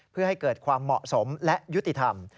เพื่อให้เกิดความเหมาะสมและยุติธรรม